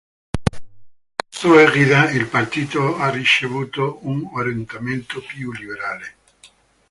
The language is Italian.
Sotto la sua egida, il partito ha ricevuto un orientamento più liberale.